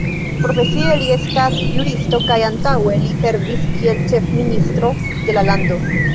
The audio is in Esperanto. Profesie li estas juristo kaj antaŭe li servis kiel ĉefministro de la lando.